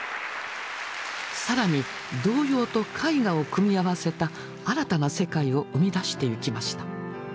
更に童謡と絵画を組み合わせた新たな世界を生み出していきました。